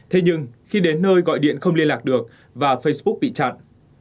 thế nhưng khi đến nơi gọi điện không liên lạc được và facebook bị chặn